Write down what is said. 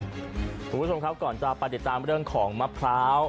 คุณผู้ชมครับก่อนจะไปติดตามเรื่องของมะพร้าว